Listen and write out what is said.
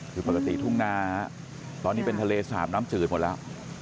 คือปกติทุ่งนาตอนนี้เป็นทะเลสาบน้ำจืดหมดแล้ว